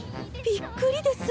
びっくりです。